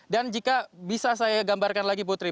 dan jika bisa saya gambarkan lagi putri